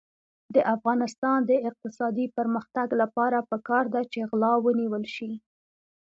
د افغانستان د اقتصادي پرمختګ لپاره پکار ده چې غلا ونیول شي.